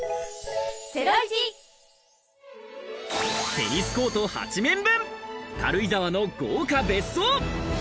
テニスコート８面分、軽井沢の豪華別荘。